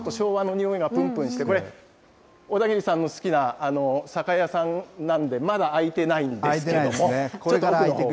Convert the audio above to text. ですからちょっと、昭和のにおいがぷんぷんしてこれ、小田切さんの好きな酒屋さんなんで、まだ開いてないんですけども。